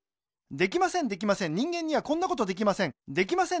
できませんできません人間にはこんなことぜったいにできません